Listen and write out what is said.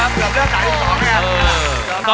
ขอบคุณน้องจ๊ะจ๊ะอีกสองนะครับ